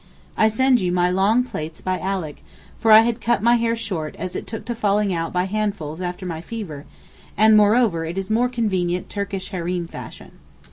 I send you my long plaits by Alick, for I had my hair cut short as it took to falling out by handfuls after my fever, and moreover it is more convenient Turkish hareem fashion.